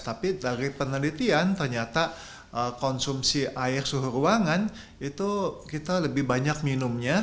tapi dari penelitian ternyata konsumsi air suhu ruangan itu kita lebih banyak minumnya